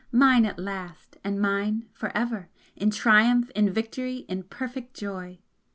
Mine at last, and mine for ever! in triumph, in victory, in perfect joy!"